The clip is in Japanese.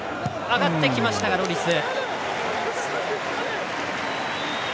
あがってきましたがロリス。